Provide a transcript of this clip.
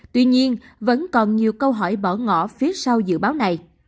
tuy nhiên vẫn còn nhiều câu hỏi bỏ ngỏ phía sau dự báo này